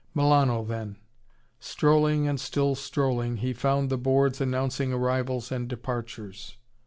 Milano then. Strolling and still strolling, he found the boards announcing Arrivals and Departures.